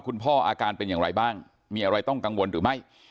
อาการเป็นอย่างไรบ้างมีอะไรต้องกังวลหรือไม่